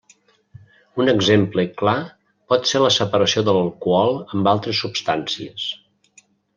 Un exemple clar pot ser la separació de l'alcohol amb altres substàncies.